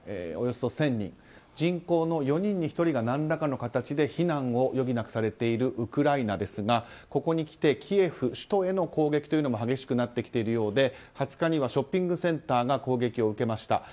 およそ１０００人人口の４人に１人が何らかの形で避難を余儀なくされているウクライナですがここにきてキエフ首都への攻撃も激しくなっているようで２０日にはショッピングセンターが攻撃を受けました。